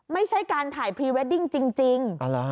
ไม่ใช่การถ่ายพรีเวดดิ้งจริง